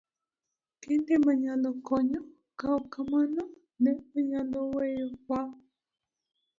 Kende manyalo konyo, kok kamano ne onyalo weyowa.